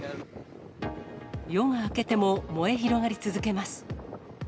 夜が明けても燃え広がり続けます。